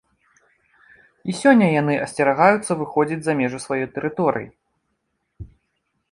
І сёння яны асцерагаюцца выходзіць за межы сваёй тэрыторыі.